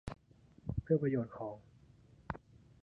เพื่อประโยชน์ของ